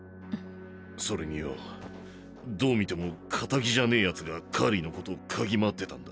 それによぉどう見てもカタギじゃねえ奴がカーリーのこと嗅ぎ回ってたんだ。